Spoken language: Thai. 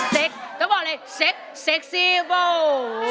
เซ็กก็บอกเลยเซ็กซีโว้ว